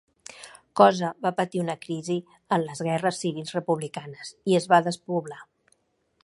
Cosa va patir una crisi en les guerres civils republicanes i es va despoblar.